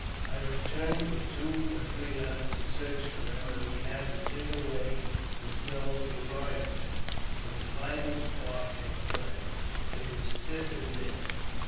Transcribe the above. I returned with two or three others to search for them, and we had to dig away the snow to arrive at them ; but the vital spark had fled — they were stiff in death.